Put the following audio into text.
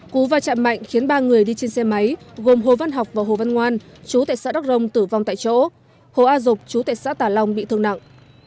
cú va chạm mạnh khiến ba người đi trên xe máy gồm hồ văn học và hồ văn ngoan chú tại xã đắk rồng tử vong tại chỗ hồ a dục chú tại xã tà long bị thương nặng